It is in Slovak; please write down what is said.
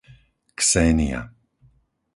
Xénia